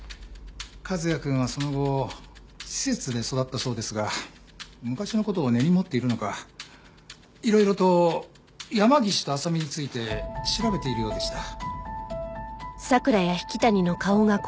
和也くんはその後施設で育ったそうですが昔の事を根に持っているのかいろいろと山岸と浅見について調べているようでした。